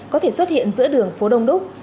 có thể xuất hiện giữa đường phố đông đúc